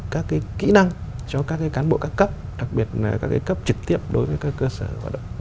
các kỹ năng cho các cán bộ các cấp đặc biệt là các cấp trực tiếp đối với các cơ sở hoạt động